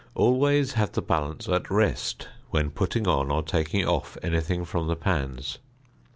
Always have the balance at rest when putting on or taking off anything from the pans.